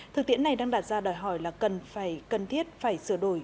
thực tiễn này đang đặt ra đòi hỏi là cần phải cần thiết phải sửa đổi